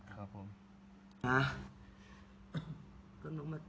ครับผม